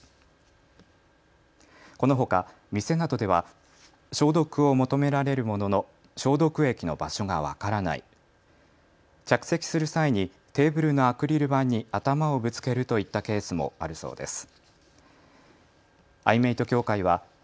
このほか店などでは消毒を求められるものの消毒液の場所が分からない、着席する際にテーブルのアクリル板に頭をぶつけるといったケースもあるそうです。